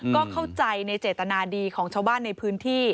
ก็เข้าใจในเจตนาดีของชาวบ้านในพื้นที่